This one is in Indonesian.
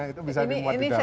itu bisa dimuat di dalam